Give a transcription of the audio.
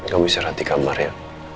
kamu bisa rehat di kamar ya